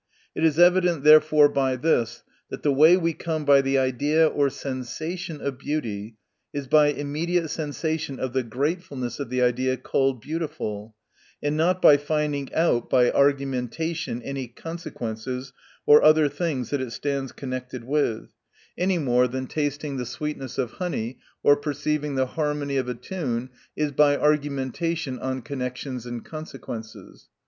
It is evident therefore by this, that the way we come by the idea or sensation of beauty, is by immediate sensation of the gratefulness of the idea called beautiful ; and not by finding out by argumentation any consequences, or other things that it stands connected with ; any more than tasting the sweet ness of honey, or perceiving the harmony of a tune, is by argumentation on connections and consequences.